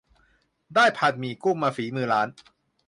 ได้ผัดหมี่กุ้งมาฝีมือร้าน